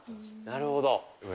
なるほど。